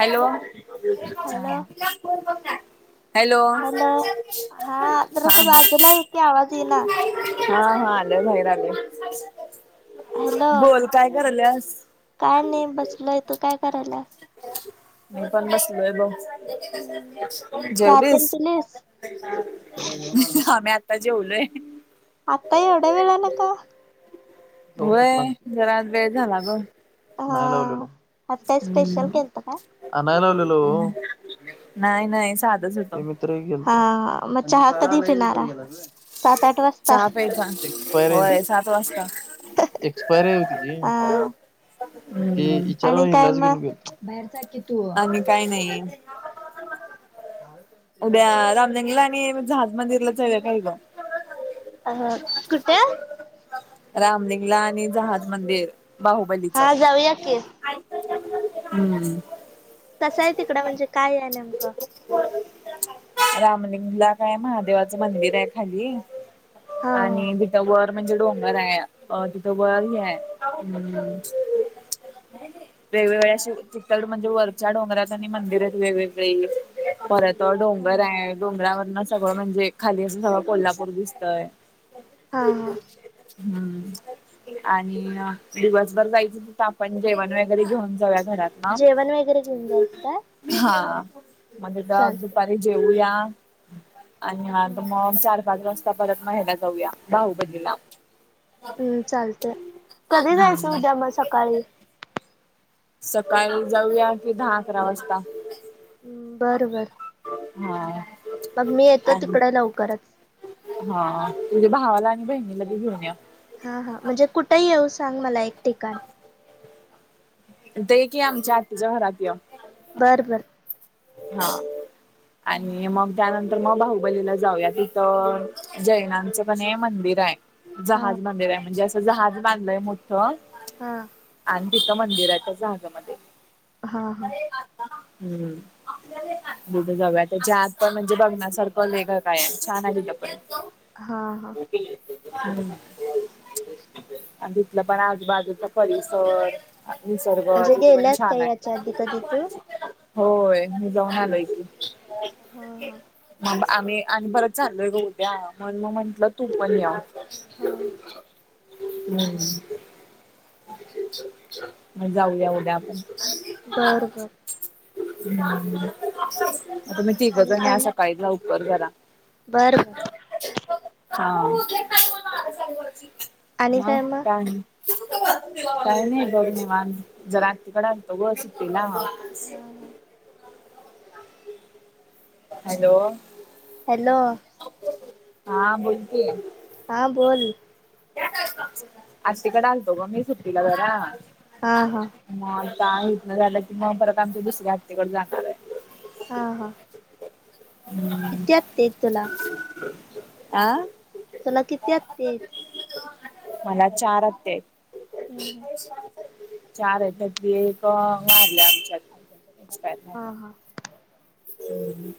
Hello! Hello hello ह हा जरास बाजूला ये की आवाज येईना हा हा आले बाहेर आले हॅलो बोल काय करा आलेस. काय नाही बसलय तो काय करायला. म पण बसदो. हम्म चहा तेन जेवलीस पिलीस आम. जेवलय. आता एवढ वेळ न का जाऊन होय घरात वेळ झाला गण हता स्पेशल हम्म केत कालावलेलो. नाही नाही साधच होतं. हा. मग चहा कधी फि सात आ वाज चहा प्यायचा होय सात वाजता. एक्सपायरी होतीची हम्म तेचे. बाहेर चाकीे तू. काही नाही. उद्या रामलिंगला आणि का. जहाज मंदिरला त आहे कायो. अ कुठे. रामलिंगला आणि जहाद मंदिर बाहुबलीचं. हा जाऊया की [inaudible] कसं आहे तिकडं म्हणजे काय आहे नेमकं. रामलिंगला काय महादेवाचं मंदिर आहे खाली. हा हा. आणि तिथं वर म्हणजे डोंगरावर. बर आहे अ तिथ ब आहे हम् [inaudible] वेगवेगळ्या श चितल म्हणजे वरच्या डोंगरात आणि मंदिरात वेगवेगळे परत. त डोंगर हा. आहे डोंगरावरन सगळं म्हणजे खाली असं सगळं कोल्हापूर दिसतय. हा हा. हम्म. आणि दिवसभर जायचं त तर आपण जेवण वगैरे घेऊन जाऊया घरात. हा जेवण वगैरे घेऊन जायचं काय? हा मग तिथं चालतंय. दुपारी जेऊया आणि आ हम्म. मग चार पाच वाज [unintelligible] परत हेला‌ जाऊया बाहुबलीला. हम्म चालतय. कधी जायचं उद्या मग सकाळी? सकाळी जाऊया कि दहा, अकरा वाजता. बर, बर. हा. मग मी येतो आणि तिकडं लवकरच. हा. तुझ्या भावाला आणि बहिणीला बी घेऊन या. हा, हा. म्हणजे कुठे येऊ सांग मला एक ठिकाण. इथं ये की आमच्या आतीच्या घरात ये. बर, बर. हा हम्म. आणि मग त्यानंतर मग बाहुबलीला जाऊयात. तिथ हा. जैनानचं कनई मंदिर आहे. हा जहाज मंदिर आहे. म्हणजे असं जहाज बांधलंय मोठ्ठं. हा. आणि तिथं मंदिर हाय त्या जहाजामध्ये. हा, हा. हम्म. तिथं जाऊया त्याच्या आत पण म्हणजे बघण्यासारखं लई काय काय हाय, छान आहे तिथं पण. हा, हा. हम्म. आणि तिथलं पण आजूबाजूचा परिसर निसर्ग म्हणजे तिथं पण गेल्यास छान काय आहे. याच्या आधी कधी तू? होय मी आलोय की. हा हा [unintelligible] आम्ही आणि परत चाललोय ग उद्या मग मी म्हंटलं तू पण ये. हा हा. हम्म. मग जाऊया उद्या आपण. बर, बर. हम्म. मग तुम्ही तीघजण या सकाळी लवकर जरा. बर, बर. हा, मग आणि मग? काय आणि? काय नाही बघ निवांत. जरा आत्तीकडं आलतो ग सुट्टीला. हा हा. हॅलो. हॅलो. हा, बोल की. हा, बोल. आत्तीकडं आलतो ग मी सुट्टीला जरा. हा, हा. मग आता इथंन झालं की मग परत आमच्या दुसऱ्या आत्तीकडं जाणार आहे. हा, हा. हम्म. किती हप्ते आहेत तुला आ? तुला किती आत्ती हाईत? मला चार आत्या हाईत. हम्म चार हाईत त्यातली एक वारल्या. आमच्यात. हा, हा. हम्म.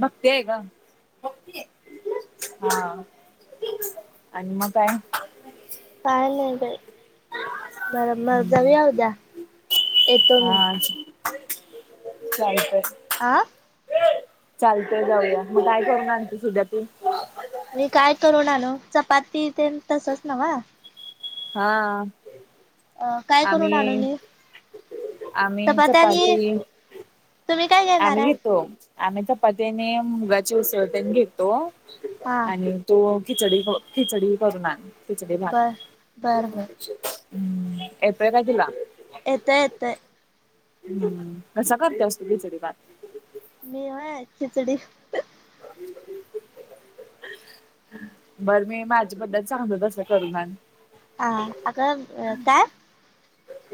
भक्ती हाय ग. हा. आणि मग काय? काय नाही बाई. बर‌ मग जाऊया हा उद्या येतो मी. चालतंय. आ? चालतय जाऊया मग काय करून आणते सुध्या तू मी काय करू नान चपाती ते तसच नवा हा. अ काय करून आम्ही आणू मी आम्ही चपात्या आणि चपाती तुम्ही काय घेणार आम्ही आहे घेतो आम्ही त्या पत्याने मुगाची उसळ त्यांनी घेतो हा आणि तो खिचडी खिचडी करून खिचडी भात बर बर बर हम्म एप काटला. येतं येतं. हम्म कसं करते असतू बिचरी बात. मी ह खिचडी [inaudible] बरं मी माझ्या बद्दल सांगल तसं करुून हा अग काय?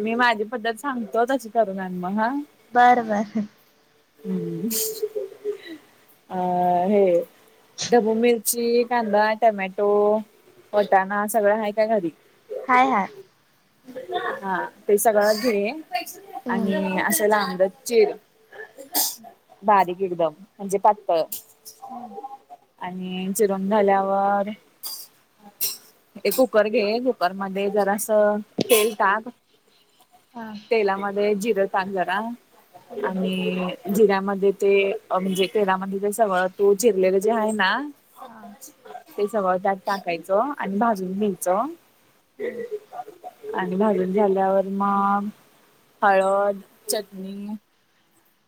मी माझी पद्धत सांगतो तशी करून म हा. बरं बर. हम् अ हे. बू मिरची कांदा टमॅटो वटाणा सगळ आहेा त्या घरी हाय हाय. हा ते सगळं घे आणि असा लांद चिर. बारीक एकदम म्हणजे पत्त ह. आणि चिरून झाल्यावर हे कुकर घे कुकर मध्ये जरा असं. तेल टाक हा तेलामध्ये जिरं टाक जरा आणि जिऱ्यामध्ये ते म्हणजे तेरामध्ये ज सवळ तू चिरलेलं जे आहे ना. ते सगळ त्यात टाकायचं आणि भाजून घ्यायचं. हम्. आणि भाजून झाल्यावर माग हळद चटणी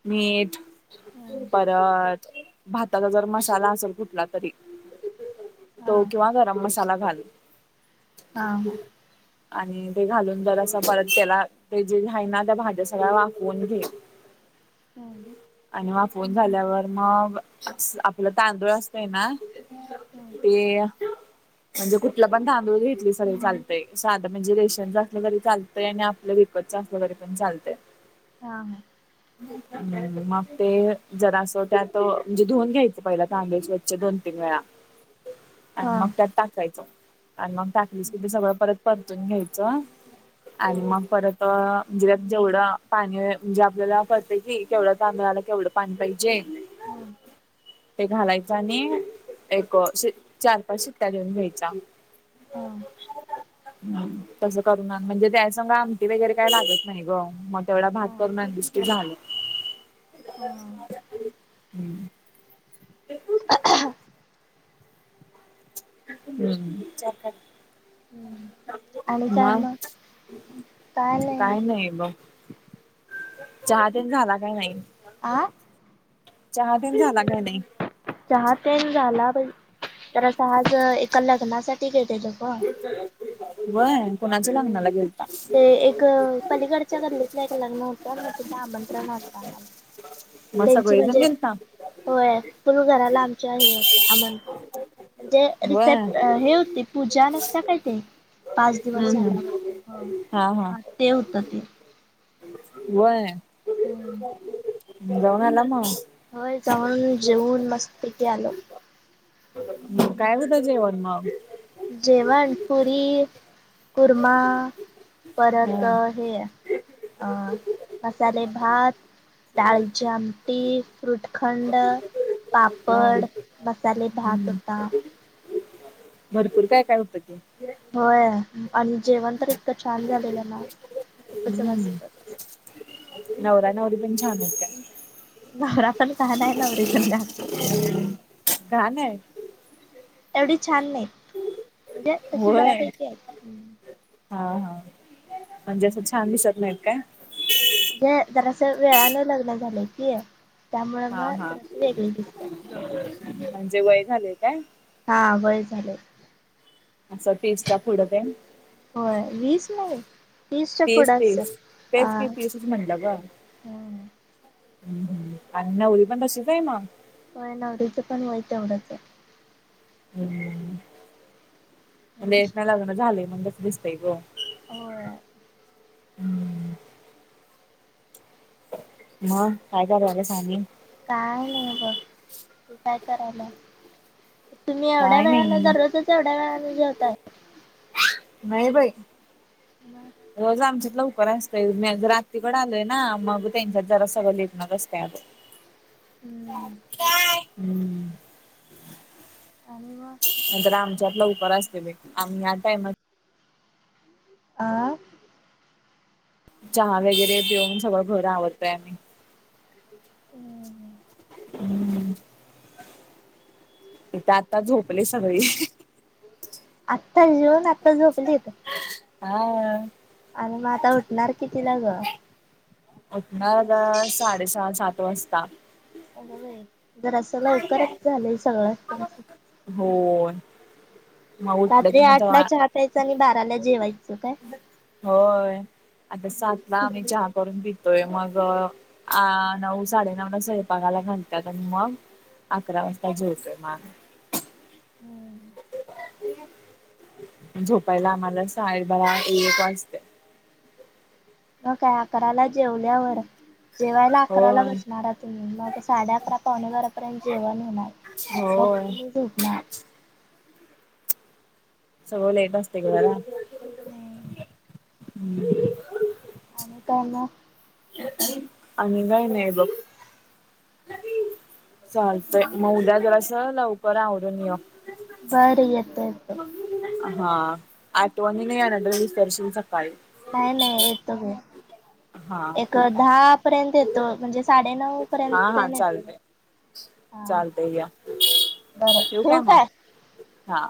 मीठ हा परत भाताचा जर मसाला असेल कुठला तरी हा तव किंवा गरम मसाला घाल. ह ह. आणि ते घालून जरं परत त्याला ते जे घय ना त्या भाज्या सगळ्या वाकवून घे. हम. आणि मग फोन झाल्यावर मग आपलं तांदूळ असतय ना. हो. ते म्हणजे कुठला पण धांदूळ घेतली सग चालतय साध म्हणजे रेशन असलं तरी चालत. आपलं विकत असल्या वैरे पण चालते. ह. हम् मग ते जरा असं त्यात म्हणजे धुऊून घ्यायचं पहिला तांबे दोन तीन वेळा [inaudible] आणि मग त्यात टाकायचं आणि मग टाकलीस कि ते सगळं परत परतून घ्यायचं. आणि मग परत म्हणजे जेवढं पाणी म्हणजे आपल्याला करते की केवढं तांदळाला केवढं पाणी पाहिजे. हम. ते घालायच आणि एक श चार पाच शि्ट्या लिऊन घ्यायचा. ह. तसं करून म्हणजे त्या सग आमटी वगैरे काही लागत नाही ग म तेवढा भात करणष्टी झालं हा हम [inaudible] हम् आणि काय मग काय नाही मग चहा तेच झाला काय नाही आं चहा दिन झाला काय नाही जहाज पन झालाण तर आज एका लग्नासाठी घेेतेल ग वय कणाच लग्नाला गेल ते एक पलीकडच्या गल्लीतलं एक लग्न होतं ना तिथं आमंत्रण होत आम्हाला मग त्यांची सगळेजन म्हणजे गेल ना होय फुल घराला आमच्या हे होत आमंत्रण म्हणजे रिसेप व्हय हे ते पूजा नसता काय ते पाच हम्म हम्म झाल्यावरती हा ते होत ते वय हम जावनाम होय जाऊन जेऊन मस्तपथे आलो काय रता जेवनमा जेवण पुरी कुर्मा परत हम्म हे मसाले भात ाळचम टी फ्रुटखंड पापड हम्म मसाले भात हम्म होता भरपूर काय काय होतं ते होय आणि जेवण तर इतकं छान झालेलं ना खूपच हम्म नसतं नवरा नवरी पण छान होते नवरा पण काान आहे नवर पण का घाण आहे एवढी छान नाही म्हणजे तशी होय बऱ्यापैकी आहे हा हा म्हणजे असं छान दिसत नाहीत काय म्हणजे जरा असं वेळाने लग्न झालंय की त्यामुळे हा मग हा तरसे वेगळे दिसतात दोघप म्हणजे वय झालेय का हा वय झाले असं तेीजच्या पुडत आहे होय वीस म तेस ते तेज ते तेसच म्हणला बा ह् आणि नवरी पण तशीच आहे मग हो नवरीचं पण वयतीं नवराचं हम् म्हणजे आहे एक म लागण झालं म्हण तस दिसतय ग हो हा काय चालूवालं सांनी काय नाही ब तू काय करायला तुम्ही एवढ्या काय वेळाानने नाही दररोजच एवढ्या वेळाानने जेवताय नाही बाई ब रोज आमच्यात ल उकर असतोय म रात्रीकडे आलोय ना मग त्यांच्यात जरा सगळं लेटणार असते ह हम्म. आणि म.. नंतर आमच्यात लावकर असते बाई आम्ही आता आहेन आं. चहा वगैरे पिऊन सगळ घर आवरतोय. हम्म. हम्म ते तर आता झोपले सगळे. आत्ताच जेवुण आत्ता झोपलीेत? हा. आणि मग आता उटणार किती लाग? उठना साडेसहा, सात वाजता. जरा असं लवकरच झालय सगळ त्यांच. हो. रात्री आठला चहा प्यायच आणि बाराला जेवायचं काय? होय आता सातला आम्ही चहा करून पितोय मग अ नऊ साडेनऊला स्वयपाकाला घालतात आणि मग अकरा वाजता जवतोय माग आम्ही. होय. झोपायला आम्हाला साहे बरा, एक वाजता. मग काय अकराला जेवल्यावर जेवायला अकराला होय बसणार तुम्ही मग तर साडे अकरा पावणे वरापर्यंत जेवण होणार मग होय तुम्ही झोपणार. सगळ लेट असतेग बाळा. हम्म. हम्म. आणि काय मग? आणि काय नाही बघ. चालतय मग उद्या जरास लवकर आवरुन येऊ. बर येते, येते. हा आठवणीणी [unintelligible] सकाळी नाही, नाही येतो की. हा एक ठीक आहे दहा पर्यंत येतो म्हणजे साडेनऊ पर्यंत येतो. चालतेय या. बर ठेवू ठेऊ मग काय? हा..